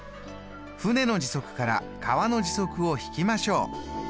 舟の時速から川の時速を引きましょう。